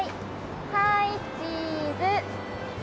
はいチーズ。